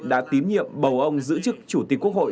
đã tín nhiệm bầu ông giữ chức chủ tịch quốc hội